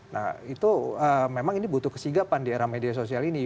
nah itu memang ini butuh kesigapan di era media sosial ini